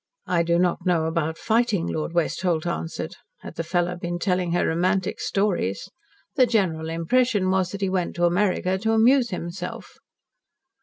"I do not know about fighting," Lord Westholt answered. Had the fellow been telling her romantic stories? "The general impression was that he went to America to amuse himself."